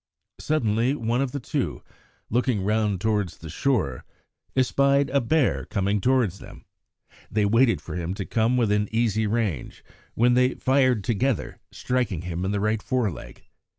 Suddenly one of the two, looking round towards the shore, espied a bear coming towards them. They waited for him to come within easy range, when they fired together, striking him in the right foreleg.